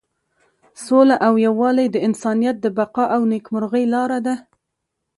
سوله او یووالی د انسانیت د بقا او نیکمرغۍ لاره ده.